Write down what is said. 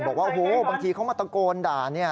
บอกว่าโอ้โหบางทีเขามาตะโกนด่า